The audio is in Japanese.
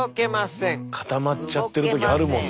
固まっちゃってる時あるもんね。